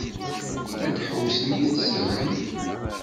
Ad ḥewwsen yid-sen?